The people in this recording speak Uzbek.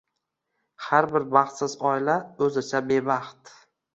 “har bir baxtsiz oila o‘zicha bebaxt”